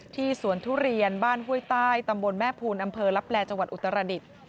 สวนทุเรียนบ้านห้วยใต้ตำบลแม่ภูลอำเภอลับแลจังหวัดอุตรดิษฐ์